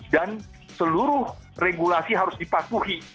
dan seluruh regulasi harus dipatuhi